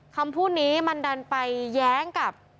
คำพูดนี้มันดันไปแย้งกับ